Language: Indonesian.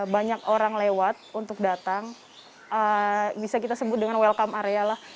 banyak orang lewat untuk datang bisa kita sebut dengan welcome area lah